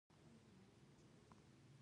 ښتې د افغان ځوانانو د هیلو استازیتوب کوي.